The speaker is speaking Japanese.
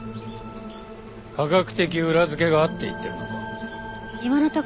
科学的裏付けがあって言ってるのか？